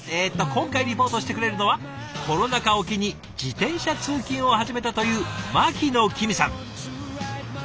今回リポートしてくれるのはコロナ禍を機に自転車通勤を始めたという牧野葵美さん。